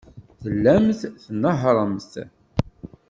Tellamt tnehhṛemt.